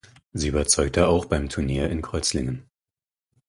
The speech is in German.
Sie überzeugte auch beim Turnier in Kreuzlingen.